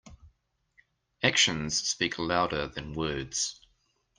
Actions speak louder than words.